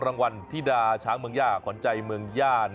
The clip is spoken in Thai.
รางวัลธิดาช้างเมืองย่าขวัญใจเมืองย่า